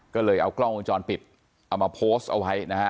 ก็เลยเอากล้องวงจรปิดเอามาโพสต์เอาไว้นะฮะ